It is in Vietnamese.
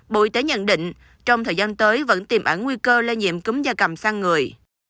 bộ y tế nhận định trong thời gian tới vẫn tiềm ẩn nguy cơ lây nhiễm cúm da cầm sang người